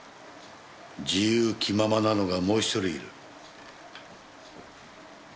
自由気ままなのがもう１人いる。